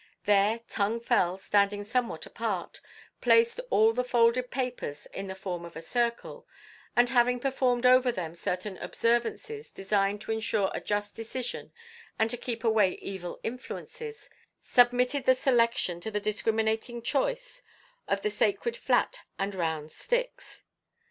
There Tung Fel, standing somewhat apart, placed all the folded papers in the form of a circle, and having performed over them certain observances designed to insure a just decision and to keep away evil influences, submitted the selection to the discriminating choice of the Sacred Flat and Round Sticks.